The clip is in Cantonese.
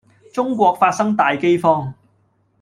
中國發生大饑荒